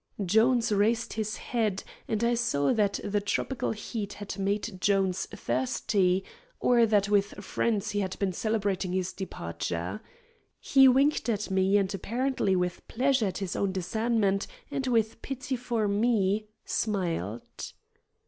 Jones raised his head, and I saw that the tropical heat had made Jones thirsty, or that with friends he had been celebrating his departure. He winked at me, and, apparently with pleasure at his own discernment and with pity for me, smiled.